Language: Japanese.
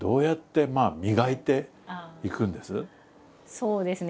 そうですね